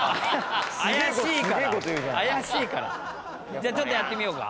じゃあちょっとやってみようか。